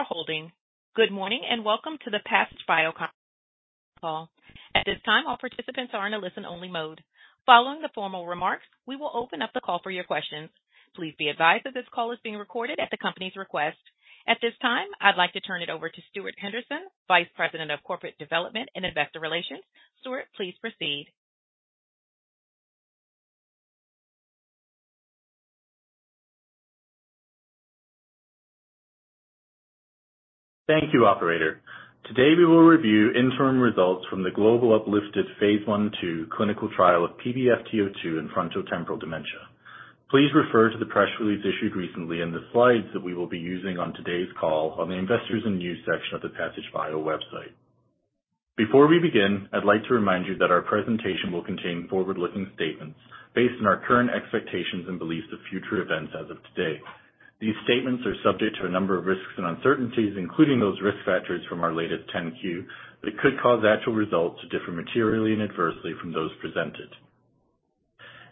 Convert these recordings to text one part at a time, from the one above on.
Thank you for holding. Good morning, and welcome to the Passage Bio conference call. At this time, all participants are in a listen-only mode. Following the formal remarks, we will open up the call for your questions. Please be advised that this call is being recorded at the company's request. At this time, I'd like to turn it over to Stuart Henderson, Vice President of Corporate Development and Investor Relations. Stuart, please proceed. Thank you, operator. Today, we will review interim results from the global upliFTD Phase 1/2 clinical trial of PBFT02 in frontotemporal dementia. Please refer to the press release issued recently and the slides that we will be using on today's call on the Investors and News section of the Passage Bio website. Before we begin, I'd like to remind you that our presentation will contain forward-looking statements based on our current expectations and beliefs of future events as of today. These statements are subject to a number of risks and uncertainties, including those risk factors from our latest 10-Q, that could cause actual results to differ materially and adversely from those presented.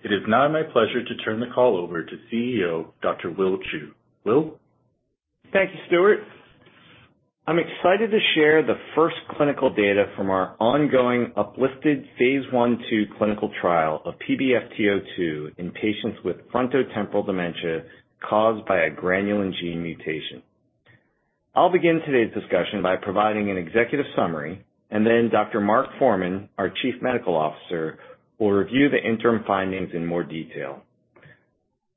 It is now my pleasure to turn the call over to CEO, Dr. Will Chou. Will? Thank you, Stuart. I'm excited to share the first clinical data from our ongoing upliFTD Phase 1/2 clinical trial of PBFT02 in patients with frontotemporal dementia caused by a granulin gene mutation. I'll begin today's discussion by providing an executive summary, and then Dr. Mark Forman, our Chief Medical Officer, will review the interim findings in more detail.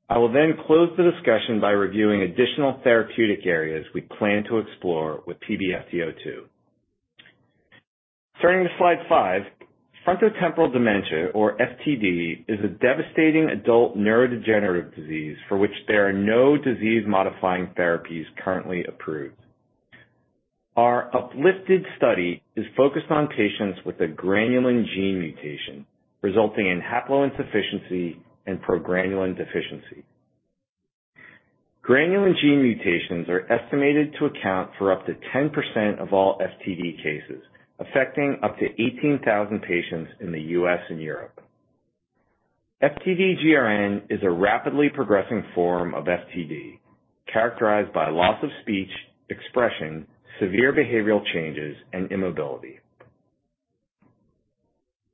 I will then close the discussion by reviewing additional therapeutic areas we plan to explore with PBFT02. Turning to slide 5, frontotemporal dementia, or FTD, is a devastating adult neurodegenerative disease for which there are no disease-modifying therapies currently approved. Our upliFTD study is focused on patients with a granulin gene mutation, resulting in haploinsufficiency and progranulin deficiency. Granulin gene mutations are estimated to account for up to 10% of all FTD cases, affecting up to 18,000 patients in the US and Europe. FTD-GRN is a rapidly progressing form of FTD, characterized by loss of speech, expression, severe behavioral changes, and immobility.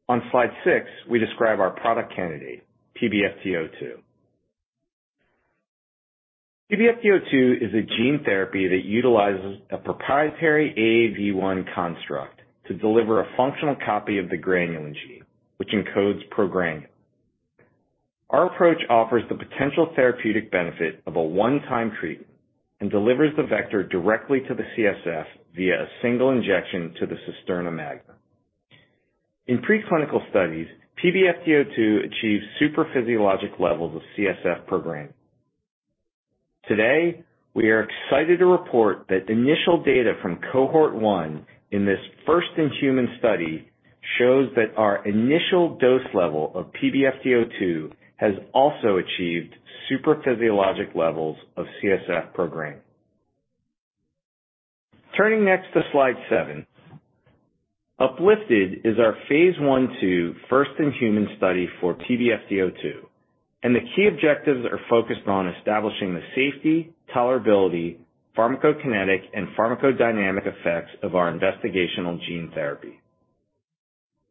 On slide 6, we describe our product candidate, PBFT02. PBFT02 is a gene therapy that utilizes a proprietary AAV1 construct to deliver a functional copy of the granulin gene, which encodes progranulin. Our approach offers the potential therapeutic benefit of a one-time treatment and delivers the vector directly to the CSF via a single injection to the cisterna magna. In preclinical studies, PBFT02 achieves supraphysiologic levels of CSF progranulin. Today, we are excited to report that initial data from cohort 1 in this first-in-human study shows that our initial dose level of PBFT02 has also achieved supraphysiologic levels of CSF progranulin. Turning next to slide 7, upliFTD is our Phase 1/2 first-in-human study for PBFT02, and the key objectives are focused on establishing the safety, tolerability, pharmacokinetic, and pharmacodynamic effects of our investigational gene therapy.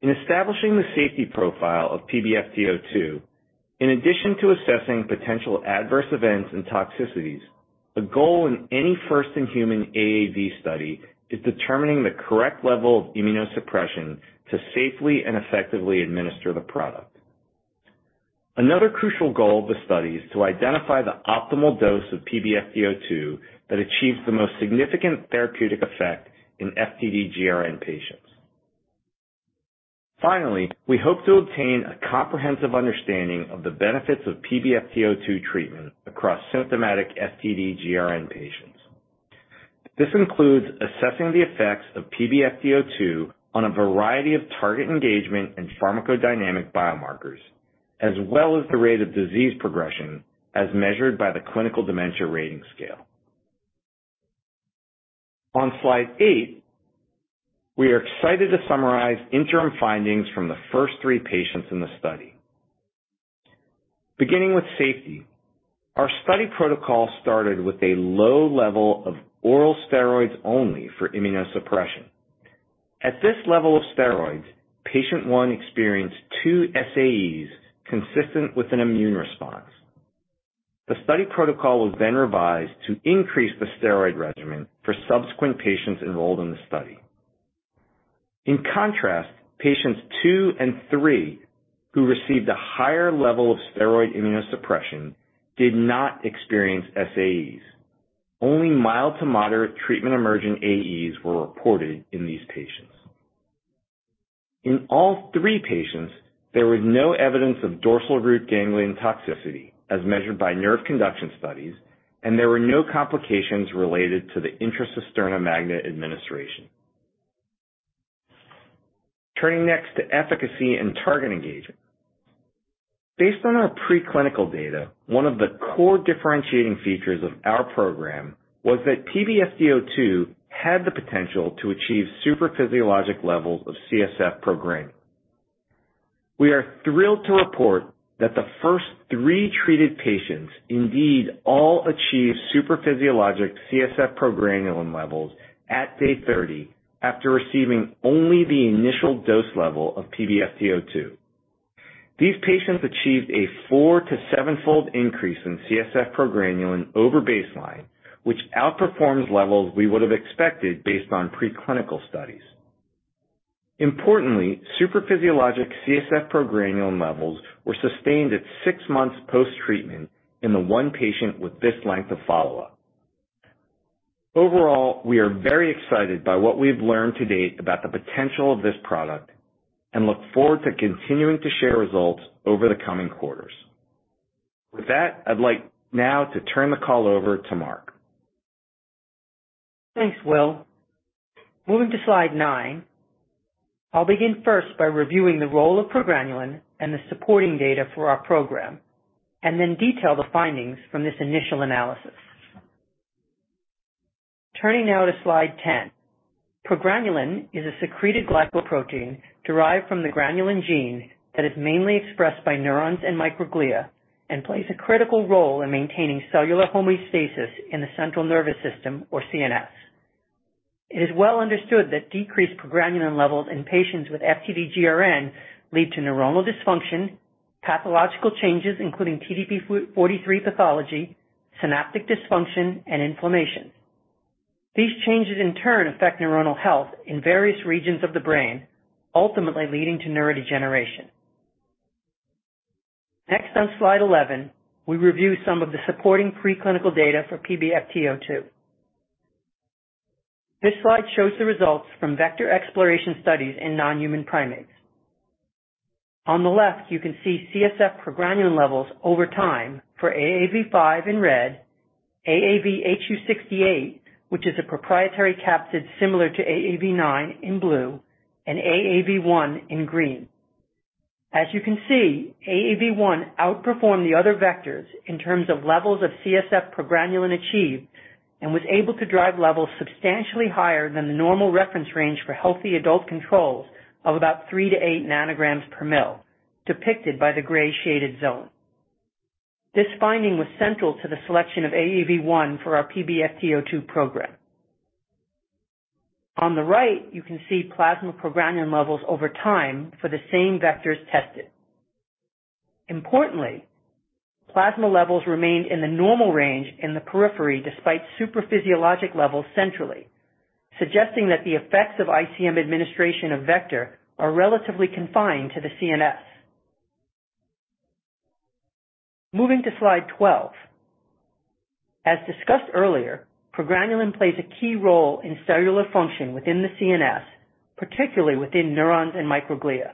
In establishing the safety profile of PBFT02, in addition to assessing potential adverse events and toxicities, the goal in any first-in-human AAV study is determining the correct level of immunosuppression to safely and effectively administer the product. Another crucial goal of the study is to identify the optimal dose of PBFT02 that achieves the most significant therapeutic effect in FTD-GRN patients. Finally, we hope to obtain a comprehensive understanding of the benefits of PBFT02 treatment across symptomatic FTD-GRN patients. This includes assessing the effects of PBFT02 on a variety of target engagement and pharmacodynamic biomarkers, as well as the rate of disease progression as measured by the Clinical Dementia Rating scale. On slide eight, we are excited to summarize interim findings from the first three patients in the study. Beginning with safety, our study protocol started with a low level of oral steroids only for immunosuppression. At this level of steroids, patient one experienced two SAEs consistent with an immune response. The study protocol was then revised to increase the steroid regimen for subsequent patients enrolled in the study. In contrast, patients two and three, who received a higher level of steroid immunosuppression, did not experience SAEs. Only mild to moderate treatment-emerging AEs were reported in these patients. In all three patients, there was no evidence of dorsal root ganglion toxicity as measured by nerve conduction studies, and there were no complications related to the intra-cisterna magna administration. Turning next to efficacy and target engagement. Based on our preclinical data, one of the core differentiating features of our program was that PBFT02 had the potential to achieve supraphysiologic levels of CSF progranulin. We are thrilled to report that the first three treated patients indeed all achieved supraphysiologic CSF progranulin levels at day 30 after receiving only the initial dose level of PBFT02. These patients achieved a 4- to 7-fold increase in CSF progranulin over baseline, which outperforms levels we would have expected based on preclinical studies. Importantly, supraphysiologic CSF progranulin levels were sustained at 6 months post-treatment in the one patient with this length of follow-up. Overall, we are very excited by what we've learned to date about the potential of this product, and look forward to continuing to share results over the coming quarters. With that, I'd like now to turn the call over to Mark. Thanks, Will. Moving to slide 9, I'll begin first by reviewing the role of progranulin and the supporting data for our program, and then detail the findings from this initial analysis. Turning now to slide 10. Progranulin is a secreted glycoprotein derived from the granulin gene that is mainly expressed by neurons and microglia, and plays a critical role in maintaining cellular homeostasis in the central nervous system, or CNS. It is well understood that decreased progranulin levels in patients with FTD-GRN lead to neuronal dysfunction, pathological changes, including TDP-43 pathology, synaptic dysfunction, and inflammation. These changes, in turn, affect neuronal health in various regions of the brain, ultimately leading to neurodegeneration. Next, on slide 11, we review some of the supporting preclinical data for PBFT02. This slide shows the result from vector exploration studies in non-human primates. On the left, you can see CSF progranulin levels over time for AAV5 in red, AAVhu68, which is a proprietary capsid similar to AAV9 in blue, and AAV1 in green. As you can see, AAV1 outperformed the other vectors in terms of levels of CSF progranulin achieved, and was able to drive levels substantially higher than the normal reference range for healthy adult controls of about 3-8 ng/ml, depicted by the gray shaded zone. This finding was central to the selection of AAV1 for our PBFT02 program. On the right, you can see plasma progranulin levels over time for the same vectors tested. Importantly, plasma levels remained in the normal range in the periphery, despite supraphysiologic levels centrally, suggesting that the effects of ICM administration of vector are relatively confined to the CNS. Moving to slide 12. As discussed earlier, progranulin plays a key role in cellular function within the CNS, particularly within neurons and microglia.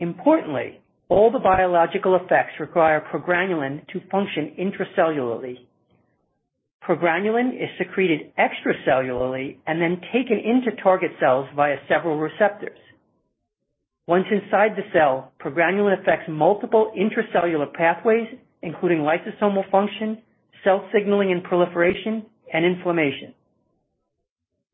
Importantly, all the biological effects require progranulin to function intracellularly. Progranulin is secreted extracellularly and then taken into target cells via several receptors. Once inside the cell, progranulin affects multiple intracellular pathways, including lysosomal function, cell signaling and proliferation, and inflammation.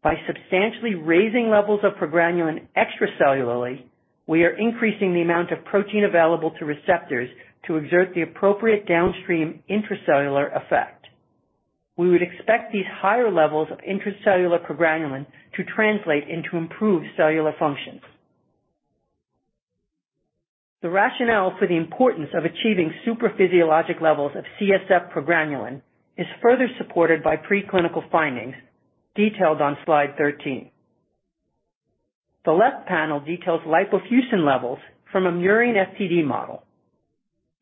By substantially raising levels of progranulin extracellularly, we are increasing the amount of protein available to receptors to exert the appropriate downstream intracellular effect. We would expect these higher levels of intracellular progranulin to translate into improved cellular functions. The rationale for the importance of achieving supraphysiologic levels of CSF progranulin is further supported by preclinical findings detailed on slide 13. The left panel details lipofuscin levels from a murine FTD model.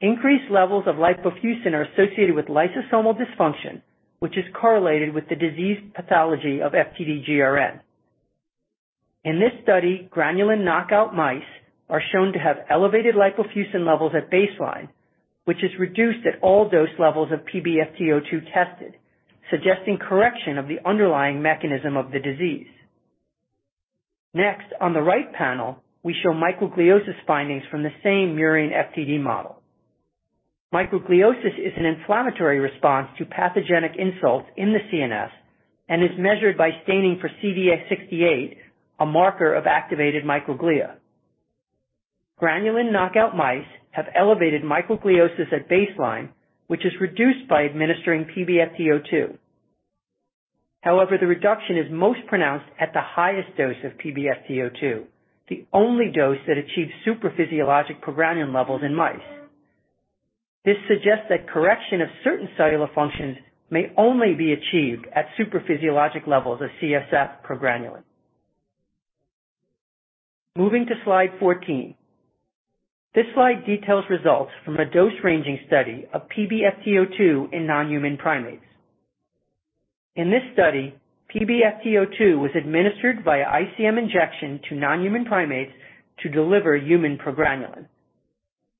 Increased levels of lipofuscin are associated with lysosomal dysfunction, which is correlated with the disease pathology of FTD-GRN. In this study, granulin knockout mice are shown to have elevated lipofuscin levels at baseline, which is reduced at all dose levels of PBFT02 tested, suggesting correction of the underlying mechanism of the disease. Next, on the right panel, we show microgliosis findings from the same murine FTD model. Microgliosis is an inflammatory response to pathogenic insults in the CNS and is measured by staining for CD68, a marker of activated microglia. Granulin knockout mice have elevated microgliosis at baseline, which is reduced by administering PBFT02. However, the reduction is most pronounced at the highest dose of PBFT02, the only dose that achieves supraphysiologic progranulin levels in mice. This suggests that correction of certain cellular functions may only be achieved at supraphysiologic levels of CSF progranulin. Moving to slide 14. This slide details results from a dose-ranging study of PBFT02 in non-human primates. In this study, PBFT02 was administered via ICM injection to non-human primates to deliver human progranulin.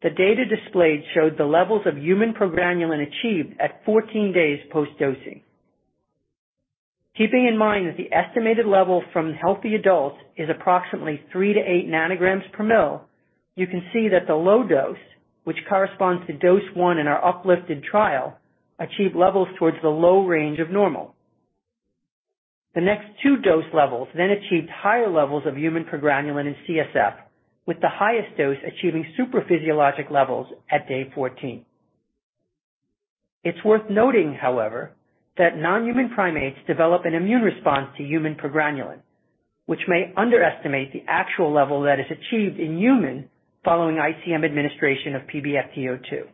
The data displayed showed the levels of human progranulin achieved at 14 days post-dosing. Keeping in mind that the estimated level from healthy adults is approximately 3-8 nanograms per ml, you can see that the low dose, which corresponds to dose 1 in our upliFTD trial, achieved levels towards the low range of normal.... The next two dose levels then achieved higher levels of human progranulin in CSF, with the highest dose achieving supraphysiologic levels at day 14. It's worth noting, however, that non-human primates develop an immune response to human progranulin, which may underestimate the actual level that is achieved in humans following ICM administration of PBFT02.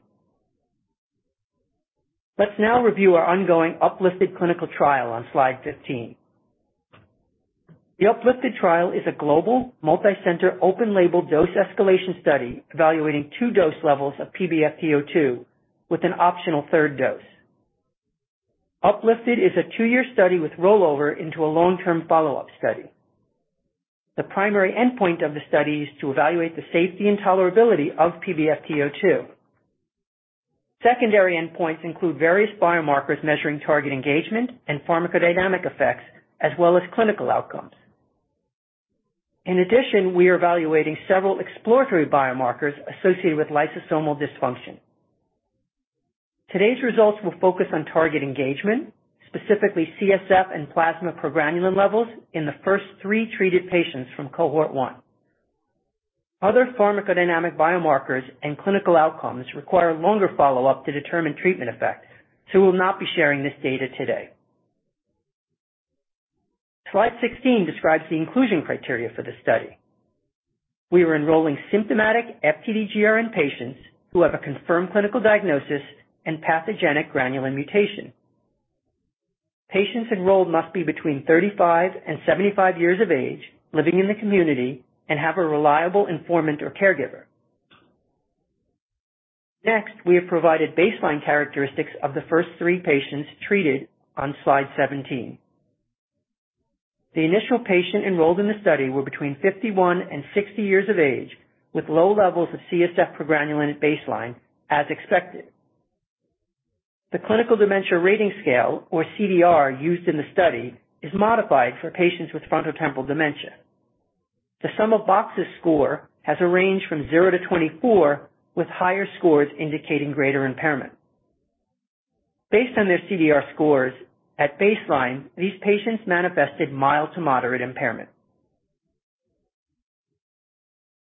Let's now review our ongoing upliFTD clinical trial on slide 15. The upliFTD trial is a global, multicenter, open label dose escalation study evaluating two dose levels of PBFT02 with an optional third dose. upliFTD is a two-year study with rollover into a long-term follow-up study. The primary endpoint of the study is to evaluate the safety and tolerability of PBFT02. Secondary endpoints include various biomarkers measuring target engagement and pharmacodynamic effects, as well as clinical outcomes. In addition, we are evaluating several exploratory biomarkers associated with lysosomal dysfunction. Today's results will focus on target engagement, specifically CSF and plasma progranulin levels in the first three treated patients from cohort one. Other pharmacodynamic biomarkers and clinical outcomes require longer follow-up to determine treatment effect, so we will not be sharing this data today. Slide 16 describes the inclusion criteria for the study. We were enrolling symptomatic FTD-GRN patients who have a confirmed clinical diagnosis and pathogenic granulin mutation. Patients enrolled must be between 35-75 years of age, living in the community, and have a reliable informant or caregiver. Next, we have provided baseline characteristics of the first 3 patients treated on slide 17. The initial patient enrolled in the study were between 51-60 years of age, with low levels of CSF progranulin at baseline, as expected. The Clinical Dementia Rating scale, or CDR, used in the study, is modified for patients with frontotemporal dementia. The sum of boxes score has a range from 0-24, with higher scores indicating greater impairment. Based on their CDR scores at baseline, these patients manifested mild to moderate impairment.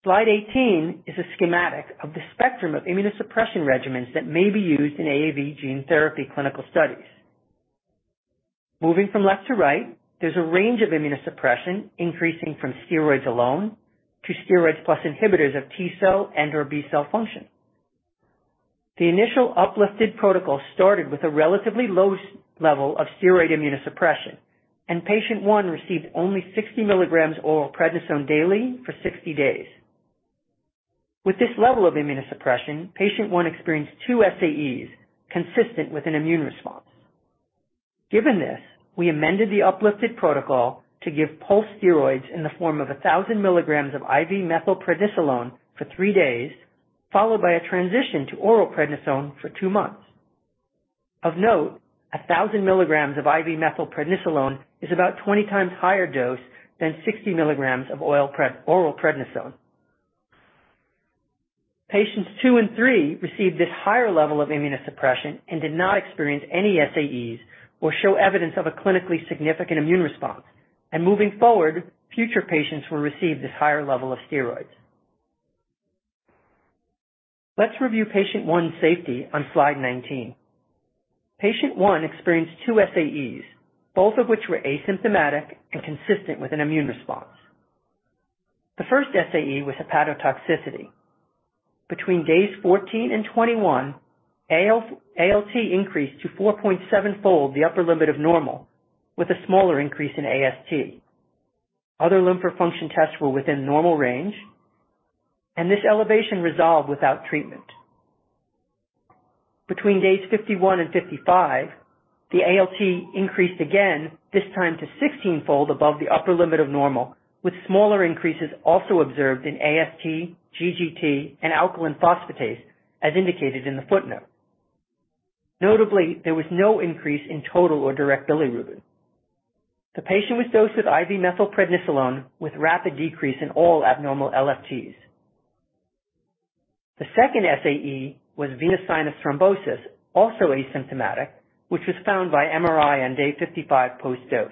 Slide 18 is a schematic of the spectrum of immunosuppression regimens that may be used in AAV gene therapy clinical studies. Moving from left to right, there's a range of immunosuppression increasing from steroids alone to steroids plus inhibitors of T cell and/or B cell function. The initial upliFTD protocol started with a relatively low level of steroid immunosuppression, and patient one received only 60 milligrams oral prednisone daily for 60 days. With this level of immunosuppression, patient one experienced two SAEs, consistent with an immune response. Given this, we amended the upliFTD protocol to give pulse steroids in the form of 1,000 milligrams of IV methylprednisolone for three days, followed by a transition to oral prednisone for two months. Of note, 1,000 milligrams of IV methylprednisolone is about 20 times higher dose than 60 milligrams of oral prednisone. Patients two and three received this higher level of immunosuppression and did not experience any SAEs or show evidence of a clinically significant immune response. Moving forward, future patients will receive this higher level of steroids. Let's review patient 1 safety on slide 19. Patient 1 experienced 2 SAEs, both of which were asymptomatic and consistent with an immune response. The first SAE was hepatotoxicity. Between days 14 and 21, ALT increased to 4.7-fold the upper limit of normal, with a smaller increase in AST. Other liver function tests were within normal range, and this elevation resolved without treatment. Between days 51 and 55, the ALT increased again, this time to 16-fold above the upper limit of normal, with smaller increases also observed in AST, GGT, and alkaline phosphatase, as indicated in the footnote. Notably, there was no increase in total or direct bilirubin. The patient was dosed with IV methylprednisolone, with rapid decrease in all abnormal LFTs. The second SAE was venous sinus thrombosis, also asymptomatic, which was found by MRI on day 55 post-dose.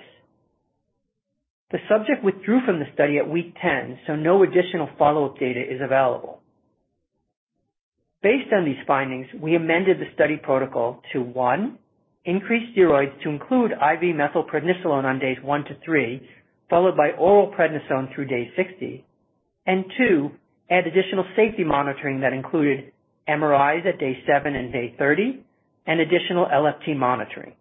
The subject withdrew from the study at week 10, so no additional follow-up data is available. Based on these findings, we amended the study protocol to, 1, increase steroids to include IV methylprednisolone on days 1 to 3, followed by oral prednisone through day 60. And 2, add additional safety monitoring that included MRIs at day 7 and day 30 and additional LFT monitoring.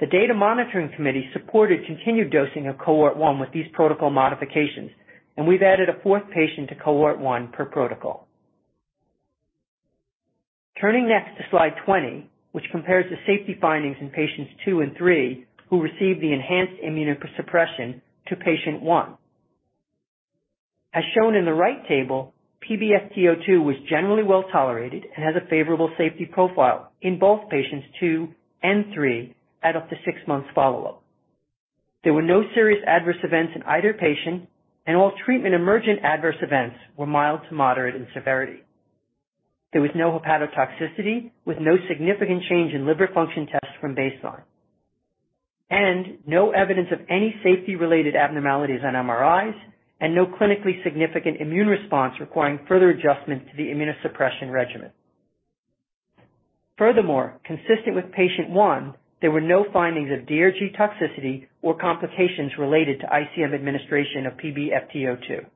The Data Monitoring Committee supported continued dosing of cohort 1 with these protocol modifications, and we've added a 4th patient to cohort 1 per protocol. Turning next to slide 20, which compares the safety findings in patients 2 and 3, who received the enhanced immunosuppression to patient 1. As shown in the right table, PBFT02 was generally well tolerated and has a favorable safety profile in both patients 2 and 3 at up to 6 months follow-up. There were no serious adverse events in either patient, and all treatment emergent adverse events were mild to moderate in severity. There was no hepatotoxicity, with no significant change in liver function tests from baseline, and no evidence of any safety-related abnormalities on MRIs, and no clinically significant immune response requiring further adjustment to the immunosuppression regimen. Furthermore, consistent with patient one, there were no findings of DRG toxicity or complications related to ICM administration of PBFT02.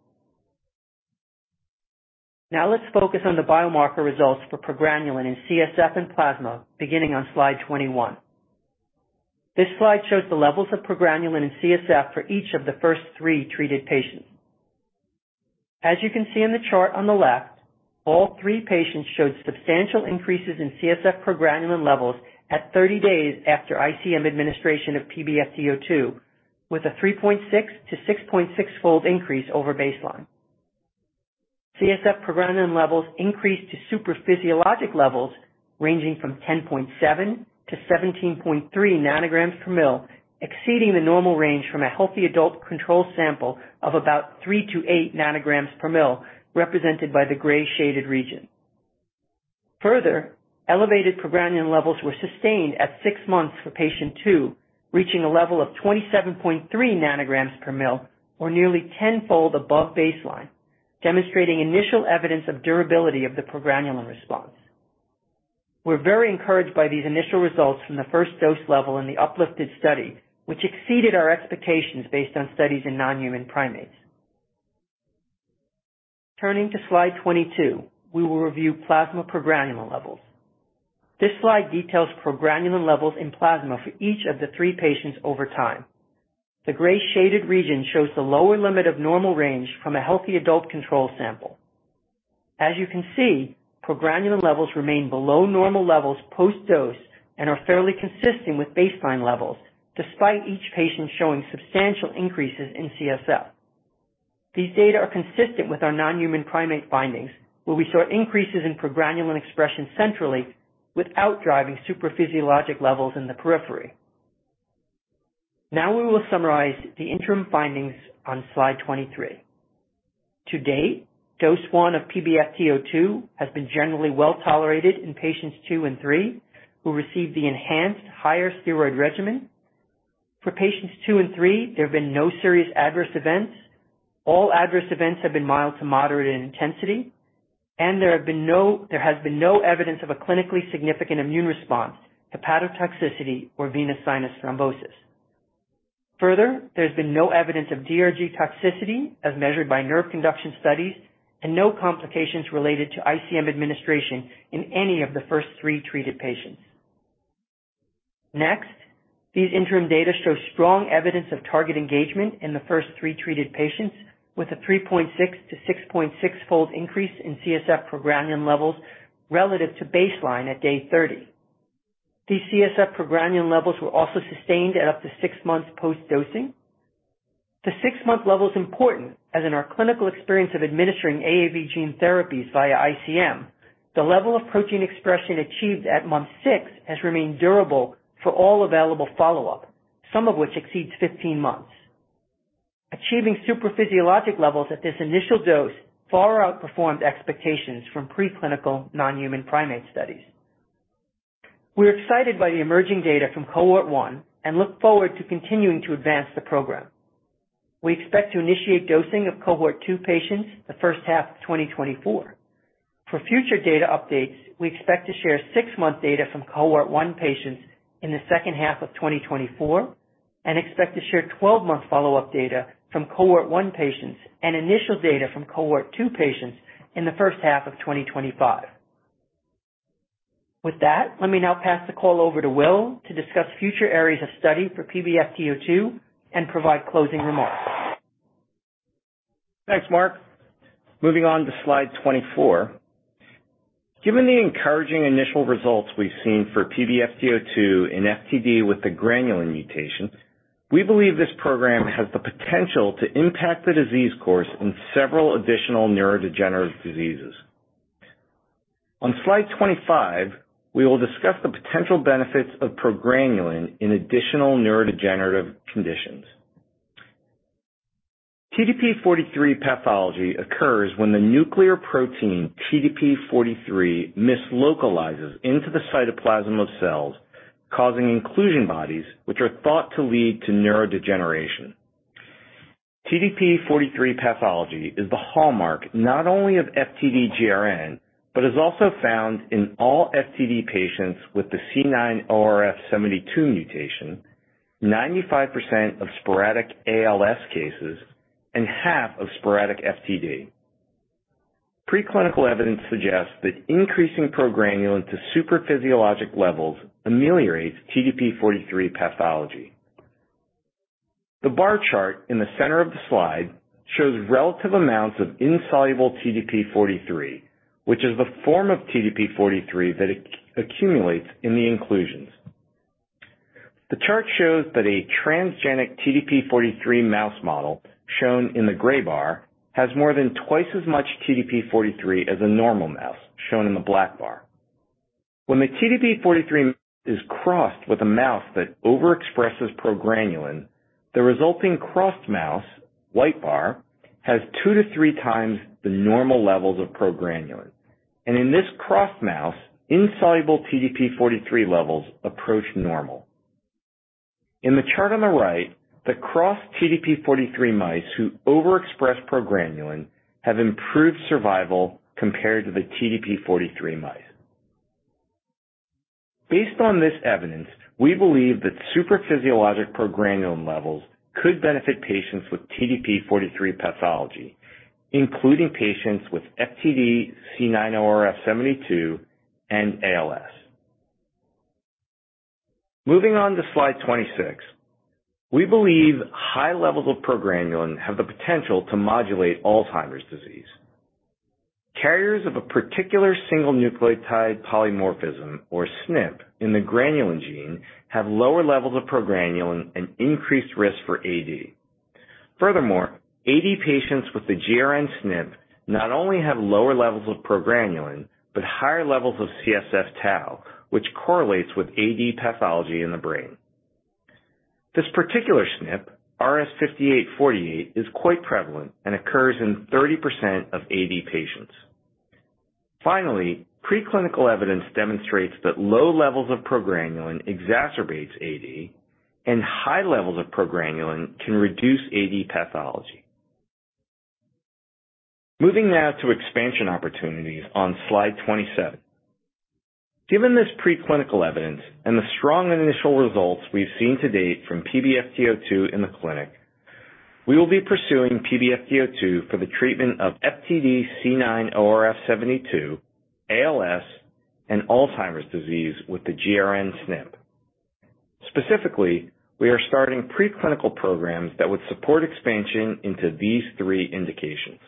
Now let's focus on the biomarker results for Progranulin in CSF and plasma, beginning on slide 21. This slide shows the levels of Progranulin in CSF for each of the first 3 treated patients. As you can see in the chart on the left, all three patients showed substantial increases in CSF progranulin levels at 30 days after ICM administration of PBFT02, with a 3.6-6.6-fold increase over baseline. CSF progranulin levels increased to supraphysiologic levels, ranging from 10.7-17.3 nanograms per mL, exceeding the normal range from a healthy adult control sample of about 3-8 nanograms per mL, represented by the gray shaded region. Further, elevated progranulin levels were sustained at 6 months for patient two, reaching a level of 27.3 nanograms per mL, or nearly 10-fold above baseline, demonstrating initial evidence of durability of the progranulin response. We're very encouraged by these initial results from the first dose level in the upliFTD study, which exceeded our expectations based on studies in non-human primates. Turning to slide 22, we will review plasma progranulin levels. This slide details progranulin levels in plasma for each of the 3 patients over time. The gray shaded region shows the lower limit of normal range from a healthy adult control sample. As you can see, progranulin levels remain below normal levels post-dose and are fairly consistent with baseline levels, despite each patient showing substantial increases in CSF. These data are consistent with our non-human primate findings, where we saw increases in progranulin expression centrally without driving supraphysiologic levels in the periphery. Now we will summarize the interim findings on slide 23. To date, dose 1 of PBFT02 has been generally well-tolerated in patients 2 and 3, who received the enhanced higher steroid regimen. For patients 2 and 3, there have been no serious adverse events. All adverse events have been mild to moderate in intensity, and there has been no evidence of a clinically significant immune response, hepatotoxicity, or venous sinus thrombosis. Further, there's been no evidence of DRG toxicity, as measured by nerve conduction studies, and no complications related to ICM administration in any of the first three treated patients. Next, these interim data show strong evidence of target engagement in the first three treated patients, with a 3.6-6.6-fold increase in CSF progranulin levels relative to baseline at day 30. These CSF progranulin levels were also sustained at up to 6 months post-dosing. The six-month level is important, as in our clinical experience of administering AAV gene therapies via ICM, the level of protein expression achieved at month six has remained durable for all available follow-up, some of which exceeds 15 months. Achieving supraphysiologic levels at this initial dose far outperformed expectations from preclinical non-human primate studies. We're excited by the emerging data from cohort one and look forward to continuing to advance the program. We expect to initiate dosing of cohort two patients the first half of 2024. For future data updates, we expect to share six-month data from cohort one patients in the second half of 2024 and expect to share twelve-month follow-up data from cohort one patients and initial data from cohort two patients in the first half of 2025. With that, let me now pass the call over to Will to discuss future areas of study for PBFT02 and provide closing remarks. Thanks, Mark. Moving on to slide 24. Given the encouraging initial results we've seen for PBFT02 in FTD with the granulin mutation, we believe this program has the potential to impact the disease course in several additional neurodegenerative diseases. On slide 25, we will discuss the potential benefits of progranulin in additional neurodegenerative conditions. TDP-43 pathology occurs when the nuclear protein TDP-43 mislocalizes into the cytoplasm of cells, causing inclusion bodies, which are thought to lead to neurodegeneration. TDP-43 pathology is the hallmark not only of FTD-GRN, but is also found in all FTD patients with the C9orf72 mutation, 95% of sporadic ALS cases, and half of sporadic FTD. Preclinical evidence suggests that increasing progranulin to supraphysiologic levels ameliorates TDP-43 pathology. The bar chart in the center of the slide shows relative amounts of insoluble TDP-43, which is the form of TDP-43 that accumulates in the inclusions. The chart shows that a transgenic TDP-43 mouse model, shown in the gray bar, has more than twice as much TDP-43 as a normal mouse, shown in the black bar. When the TDP-43 is crossed with a mouse that overexpresses progranulin, the resulting crossed mouse, white bar, has two to three times the normal levels of progranulin, and in this crossed mouse, insoluble TDP-43 levels approach normal. In the chart on the right, the crossed TDP-43 mice who overexpress progranulin have improved survival compared to the TDP-43 mice. Based on this evidence, we believe that supraphysiologic progranulin levels could benefit patients with TDP-43 pathology, including patients with FTD C9orf72 and ALS. Moving on to slide 26, we believe high levels of progranulin have the potential to modulate Alzheimer's disease. Carriers of a particular single nucleotide polymorphism, or SNP, in the granulin gene have lower levels of progranulin and increased risk for AD. Furthermore, AD patients with the GRN SNP not only have lower levels of progranulin, but higher levels of CSF tau, which correlates with AD pathology in the brain. This particular SNP, rs5848, is quite prevalent and occurs in 30% of AD patients. Finally, preclinical evidence demonstrates that low levels of progranulin exacerbates AD, and high levels of progranulin can reduce AD pathology. Moving now to expansion opportunities on slide 27. Given this preclinical evidence and the strong initial results we've seen to date from PBFT02 in the clinic, we will be pursuing PBFT02 for the treatment of FTD C9orf72, ALS, and Alzheimer's disease with the GRN SNP. Specifically, we are starting preclinical programs that would support expansion into these three indications.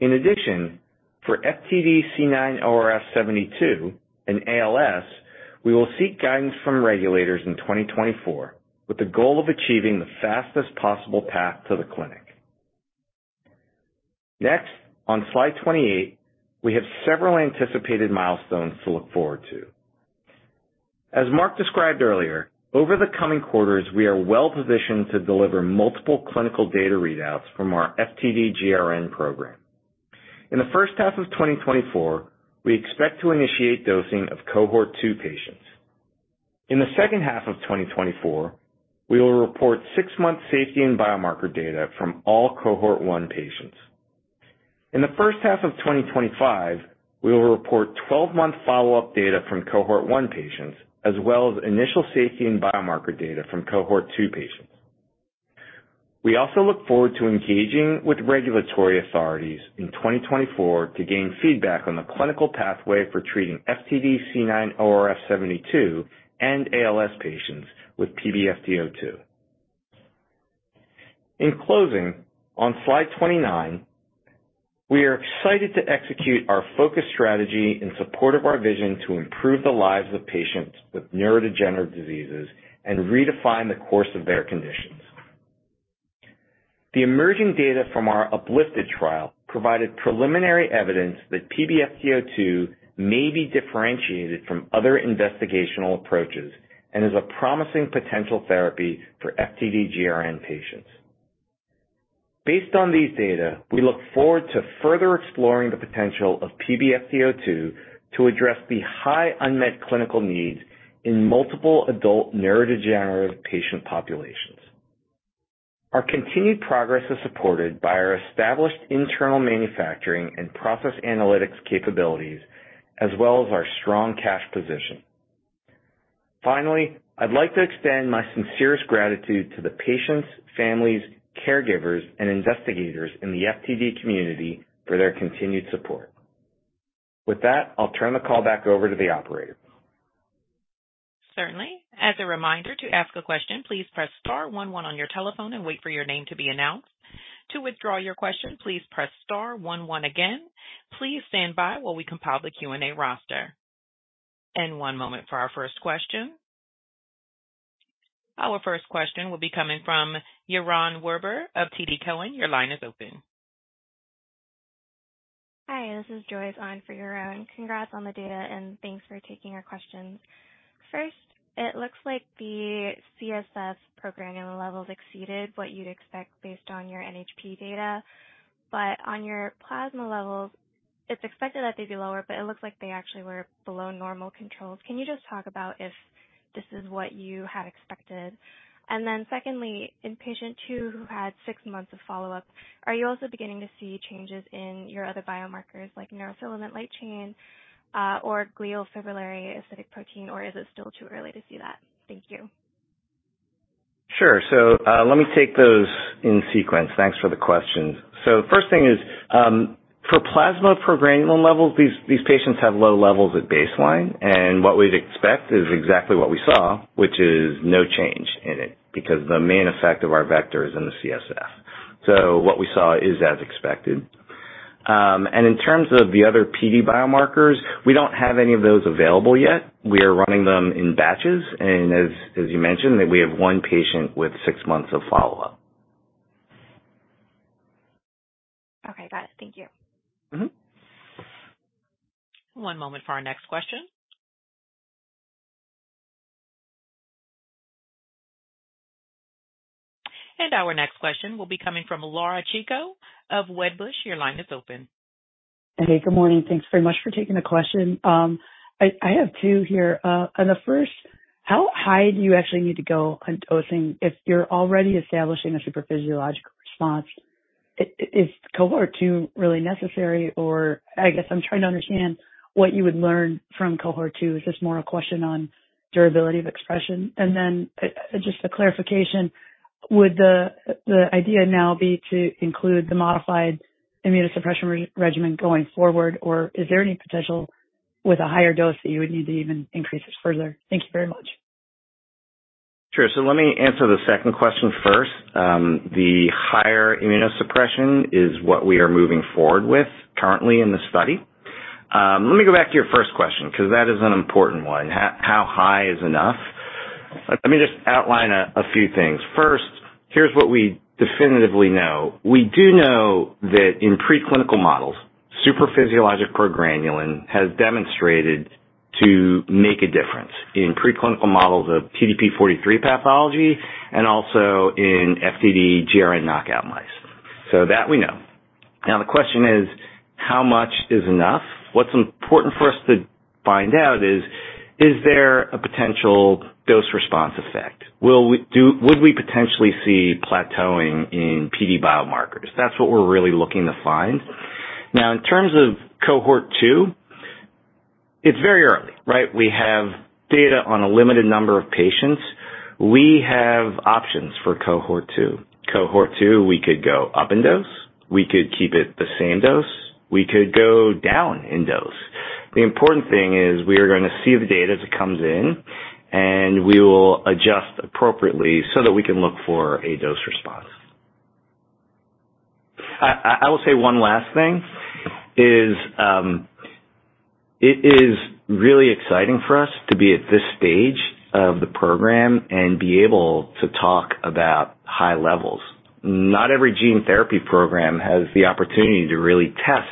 In addition, for FTD C9orf72 and ALS, we will seek guidance from regulators in 2024, with the goal of achieving the fastest possible path to the clinic. Next, on slide 28, we have several anticipated milestones to look forward to. As Mark described earlier, over the coming quarters, we are well positioned to deliver multiple clinical data readouts from our FTD-GRN program. In the first half of 2024, we expect to initiate dosing of cohort 2 patients. In the second half of 2024, we will report 6-month safety and biomarker data from all cohort 1 patients. In the first half of 2025, we will report 12-month follow-up data from cohort 1 patients, as well as initial safety and biomarker data from cohort 2 patients. We also look forward to engaging with regulatory authorities in 2024 to gain feedback on the clinical pathway for treating FTD C9orf72 and ALS patients with PBFT02. In closing, on slide 29, we are excited to execute our focused strategy in support of our vision to improve the lives of patients with neurodegenerative diseases and redefine the course of their conditions. The emerging data from our upliFTD trial provided preliminary evidence that PBFT02 may be differentiated from other investigational approaches and is a promising potential therapy for FTD-GRN patients. Based on these data, we look forward to further exploring the potential of PBFT02 to address the high unmet clinical needs in multiple adult neurodegenerative patient populations. Our continued progress is supported by our established internal manufacturing and process analytics capabilities, as well as our strong cash position. Finally, I'd like to extend my sincerest gratitude to the patients, families, caregivers, and investigators in the FTD community for their continued support. With that, I'll turn the call back over to the operator. Certainly. As a reminder, to ask a question, please press star one one on your telephone and wait for your name to be announced. To withdraw your question, please press star one one again. Please stand by while we compile the Q&A roster. One moment for our first question. Our first question will be coming from Yaron Werber of TD Cowen. Your line is open. Hi, this is Joyce on for Yaron. Congrats on the data, and thanks for taking our questions. First, it looks like the CSF progranulin levels exceeded what you'd expect based on your NHP data. But on your plasma levels, it's expected that they'd be lower, but it looks like they actually were below normal controls. Can you just talk about if this is what you had expected? And then secondly, in patient two, who had six months of follow-up, are you also beginning to see changes in your other biomarkers, like neurofilament light chain, or glial fibrillary acidic protein, or is it still too early to see that? Thank you. Sure. So, let me take those in sequence. Thanks for the questions. So the first thing is, for plasma progranulin levels, these, these patients have low levels at baseline, and what we'd expect is exactly what we saw, which is no change in it, because the main effect of our vector is in the CSF. So what we saw is as expected. And in terms of the other PD biomarkers, we don't have any of those available yet. We are running them in batches, and as, as you mentioned, we have one patient with six months of follow-up.... All right, got it. Thank you. Mm-hmm. One moment for our next question. Our next question will be coming from Laura Chico of Wedbush. Your line is open. Hey, good morning. Thanks very much for taking the question. I have two here. On the first, how high do you actually need to go on dosing if you're already establishing a supraphysiologic response? Is cohort two really necessary, or I guess I'm trying to understand what you would learn from cohort two. Is this more a question on durability of expression? And then just a clarification, would the idea now be to include the modified immunosuppression regimen going forward, or is there any potential with a higher dose that you would need to even increase it further? Thank you very much. Sure. So let me answer the second question first. The higher immunosuppression is what we are moving forward with currently in the study. Let me go back to your first question, because that is an important one. How high is enough? Let me just outline a few things. First, here's what we definitively know. We do know that in preclinical models, supraphysiologic progranulin has demonstrated to make a difference in preclinical models of TDP-43 pathology and also in FTD-GRN knockout mice. So that we know. Now, the question is: how much is enough? What's important for us to find out is, is there a potential dose-response effect? Would we potentially see plateauing in PD biomarkers? That's what we're really looking to find. Now, in terms of cohort 2, it's very early, right? We have data on a limited number of patients. We have options for cohort two. Cohort two, we could go up in dose, we could keep it the same dose, we could go down in dose. The important thing is we are going to see the data as it comes in, and we will adjust appropriately so that we can look for a dose response. I will say one last thing, it is really exciting for us to be at this stage of the program and be able to talk about high levels. Not every gene therapy program has the opportunity to really test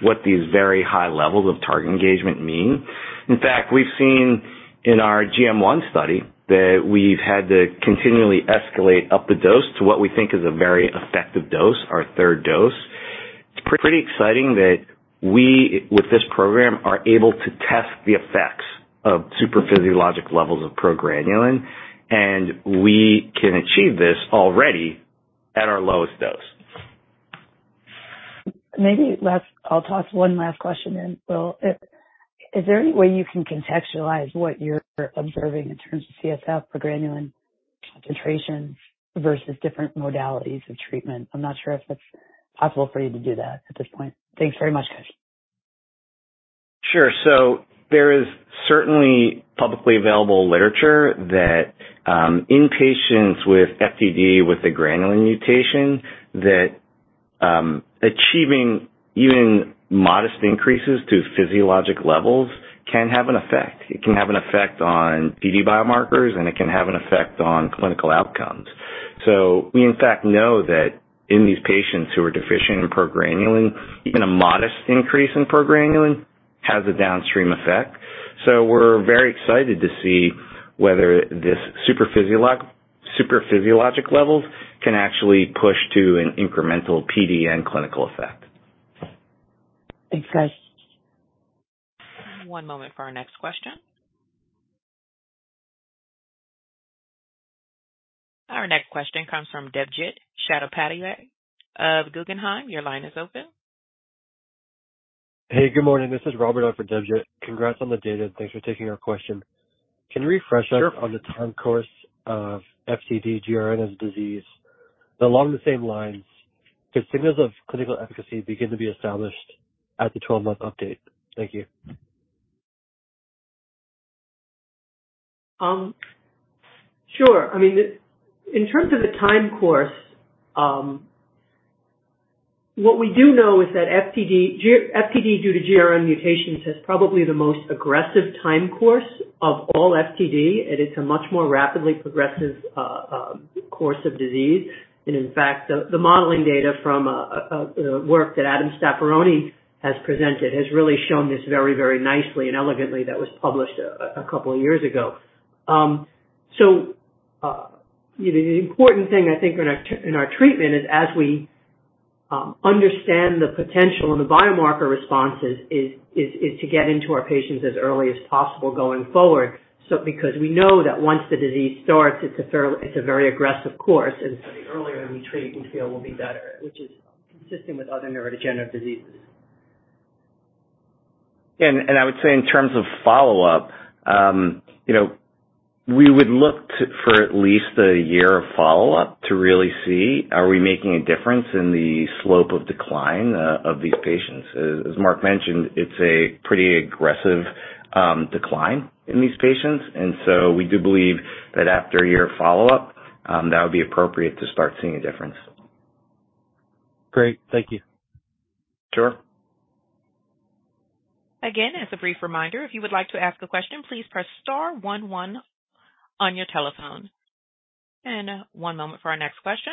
what these very high levels of target engagement mean. In fact, we've seen in our GM1 study that we've had to continually escalate up the dose to what we think is a very effective dose, our third dose. It's pretty exciting that we, with this program, are able to test the effects of supraphysiologic levels of progranulin, and we can achieve this already at our lowest dose. I'll toss one last question in, Will. Is there any way you can contextualize what you're observing in terms of CSF progranulin concentration versus different modalities of treatment? I'm not sure if it's possible for you to do that at this point. Thanks very much, guys. Sure. So there is certainly publicly available literature that, in patients with FTD, with a granulin mutation, that, achieving even modest increases to physiologic levels can have an effect. It can have an effect on PD biomarkers, and it can have an effect on clinical outcomes. So we, in fact, know that in these patients who are deficient in progranulin, even a modest increase in progranulin has a downstream effect. So we're very excited to see whether this supraphysiologic, supraphysiologic levels can actually push to an incremental PD and clinical effect. Thanks, guys. One moment for our next question. Our next question comes from Debjit Debnath of Guggenheim. Your line is open. Hey, good morning. This is Robert off of Debjit. Congrats on the data, and thanks for taking our question. Can you refresh us? Sure. -on the time course of FTD GRN as a disease? Along the same lines, could signals of clinical efficacy begin to be established at the 12-month update? Thank you. Sure. I mean, in terms of the time course, what we do know is that FTD-GRN, due to GRN mutations, has probably the most aggressive time course of all FTD, and it's a much more rapidly progressive course of disease. And in fact, the modeling data from the work that Adam Staffaroni has presented has really shown this very, very nicely and elegantly. That was published a couple of years ago. You know, the important thing I think in our treatment is as we understand the potential and the biomarker responses is to get into our patients as early as possible going forward. So, because we know that once the disease starts, it's a very aggressive course, and the earlier we treat, we feel will be better, which is consistent with other neurodegenerative diseases. I would say in terms of follow-up, you know, we would look to for at least a year of follow-up to really see are we making a difference in the slope of decline of these patients. As Mark mentioned, it's a pretty aggressive decline in these patients, and so we do believe that after a year of follow-up that would be appropriate to start seeing a difference. Great. Thank you. Sure. ... Again, as a brief reminder, if you would like to ask a question, please press star one one on your telephone. And one moment for our next question,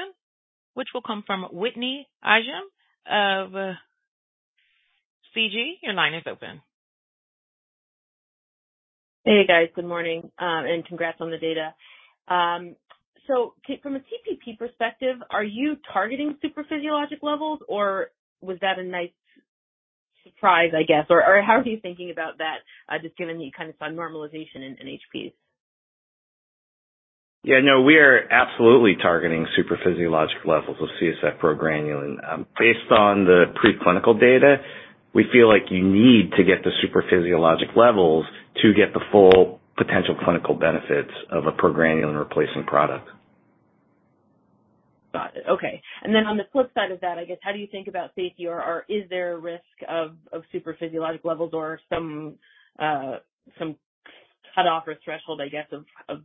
which will come from Whitney Ijem of Canaccord Genuity. Your line is open. Hey, guys. Good morning, and congrats on the data. So from a TPP perspective, are you targeting supraphysiologic levels, or was that a nice surprise, I guess? Or, or how are you thinking about that, just given the kind of sub-normalization in HPs? Yeah, no, we are absolutely targeting supraphysiologic levels of CSF progranulin. Based on the preclinical data, we feel like you need to get the supraphysiologic levels to get the full potential clinical benefits of a progranulin replacement product. Got it. Okay. And then on the flip side of that, I guess, how do you think about safety, or is there a risk of supraphysiologic levels or some some cut-off or threshold, I guess, of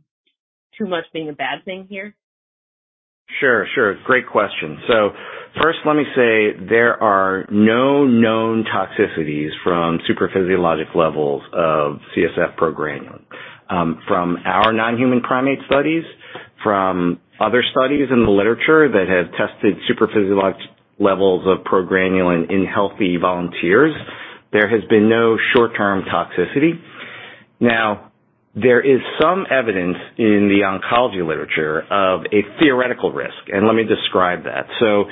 too much being a bad thing here? Sure, sure. Great question. So first, let me say there are no known toxicities from supraphysiologic levels of CSF progranulin. From our non-human primate studies, from other studies in the literature that have tested supraphysiologic levels of progranulin in healthy volunteers, there has been no short-term toxicity. Now, there is some evidence in the oncology literature of a theoretical risk, and let me describe that. So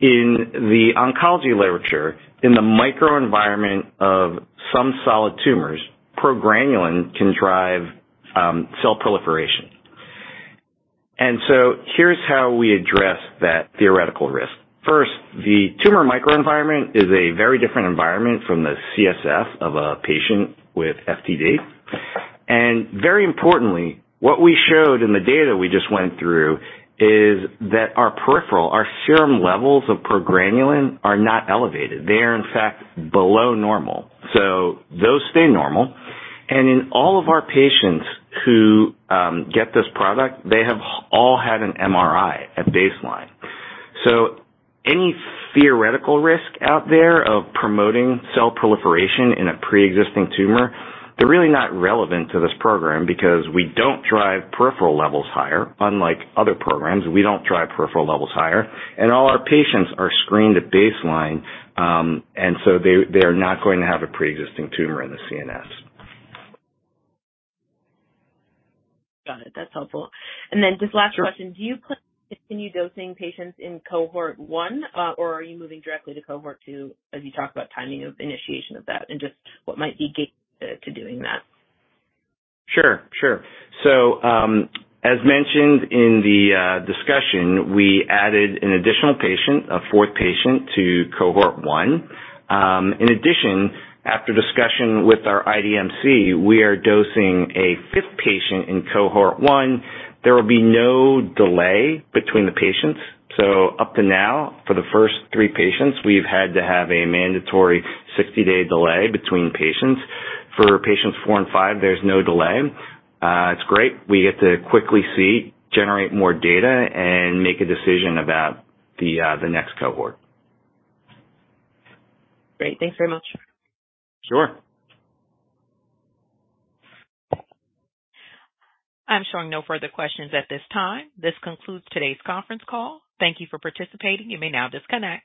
in the oncology literature, in the microenvironment of some solid tumors, progranulin can drive cell proliferation. And so here's how we address that theoretical risk. First, the tumor microenvironment is a very different environment from the CSF of a patient with FTD. And very importantly, what we showed in the data we just went through is that our peripheral, our serum levels of progranulin are not elevated. They are, in fact, below normal. So those stay normal. In all of our patients who get this product, they have all had an MRI at baseline. Any theoretical risk out there of promoting cell proliferation in a pre-existing tumor, they're really not relevant to this program because we don't drive peripheral levels higher, unlike other programs, we don't drive peripheral levels higher, and all our patients are screened at baseline, and so they, they are not going to have a pre-existing tumor in the CNS. Got it. That's helpful. And then just last question: Do you plan to continue dosing patients in cohort one, or are you moving directly to cohort two as you talk about timing of initiation of that and just what might be gates to doing that? Sure, sure. So, as mentioned in the discussion, we added an additional patient, a fourth patient, to cohort one. In addition, after discussion with our IDMC, we are dosing a fifth patient in cohort one. There will be no delay between the patients, so up to now, for the first three patients, we've had to have a mandatory 60-day delay between patients. For patients four and five, there's no delay. It's great. We get to quickly see, generate more data, and make a decision about the next cohort. Great. Thanks very much. Sure. I'm showing no further questions at this time. This concludes today's conference call. Thank you for participating. You may now disconnect.